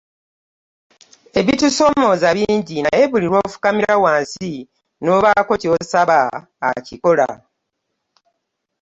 Ebitusoomooza bingi naye buli lw'ofukamira wansi n'obaako ky'osaba akikola